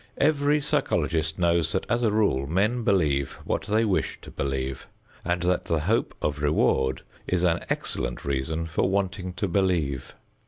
Every psychologist knows that, as a rule, men believe what they wish to believe and that the hope of reward is an excellent reason for wanting to believe.